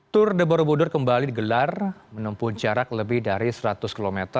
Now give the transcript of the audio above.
tour de borobudur kembali digelar menempuh jarak lebih dari seratus km